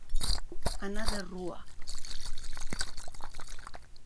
Anar de rua.